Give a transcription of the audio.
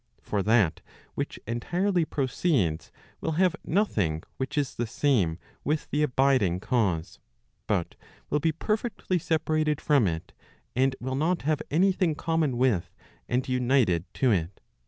For that which entirely proceeds, will have nothing which is the same with the abiding cause, but will be perfectly separated from it, and will not have any thing common with and united to it.